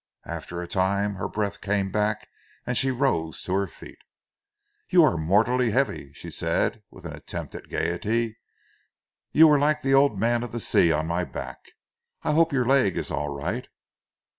After a time her breath came back, and she rose to her feet. "You are mortal heavy," she said with an attempt at gaiety. "You were like the old man of the sea on my back.... I hope your leg is all right?"